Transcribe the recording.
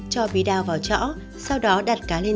cho bí đao vào chảo sau đó đặt cá lên